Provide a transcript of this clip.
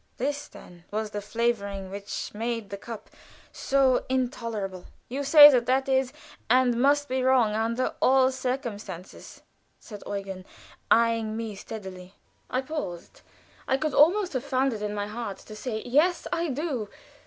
This, then, was the flavoring which made the cup so intolerable. "You say that that is and must be wrong under all circumstances," said Eugen, eying me steadily. I paused. I could almost have found it in my heart to say, "Yes, I do."